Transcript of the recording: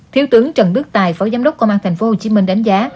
thiếu tướng trần đức tài phó giám đốc công an tp hcm đánh giá